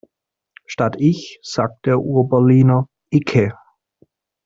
Statt ich sagt der Urberliner icke.